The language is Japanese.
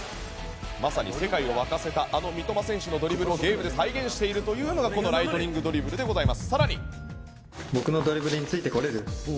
世界を沸かせたあの三笘選手のドリブルをゲームで再現しているのがライトニングドリブルです。